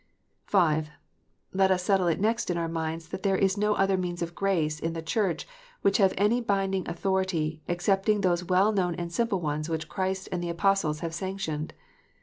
(5) Let us settle it next in our minds that there are no other means of grace in the Church which have any binding authority, excepting those well known and simple ones which Christ and the Apostles have sanctioned.